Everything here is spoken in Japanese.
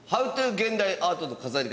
現代アートの飾り方。